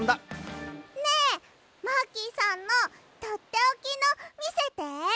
ねえマーキーさんのとっておきのみせて！